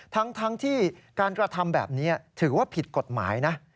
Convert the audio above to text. ทั้งที่การกระทำแบบนี้ถือว่าผิดกฎหมายนะ